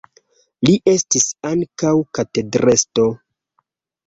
Li estis ankaŭ katedrestro.